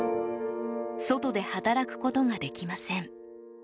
外で働くことができません。